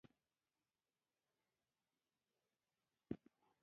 سلطان محمدشاه تغلق یو ظالم انسان وو.